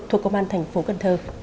thuộc công an tp cn